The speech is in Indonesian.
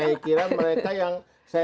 saya kira mereka yang